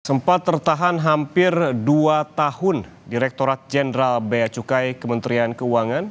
sempat tertahan hampir dua tahun direkturat jenderal bea cukai kementerian keuangan